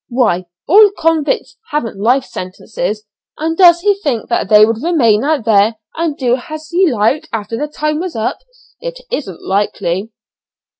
why, all convicts haven't life sentences, and does he think that they would remain out there and do as he liked after their time was up? It isn't likely."